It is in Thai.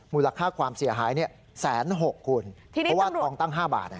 มูลค่าความเสียหายเนี่ยแสนหกคุณเพราะว่าทองตั้ง๕บาทนะครับ